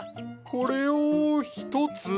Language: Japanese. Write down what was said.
これを１つ。